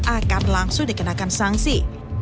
akan langsung dikenakan sanksi